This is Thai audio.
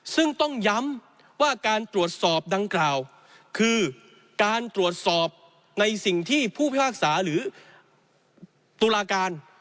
ซึ่งต้องย้ำว่าการตรวจสอบดังกล่าวคือการตรวจสอบในสิ่งที่ผู้พิพากษาหรือตุลาการ